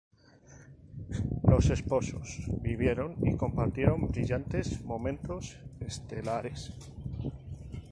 Los esposos vivieron y compartieron brillantes momentos estelares.